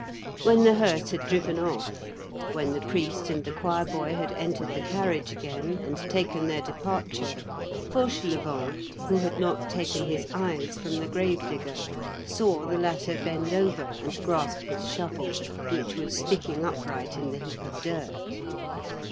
When the hearse had driven off, when the priest and the choir boy had entered the carriage again and taken their departure, Fauchelevent, who had not taken his eyes from the grave digger, saw the latter bend over and grasp his shovel, which was sticking upright in the heap of dirt.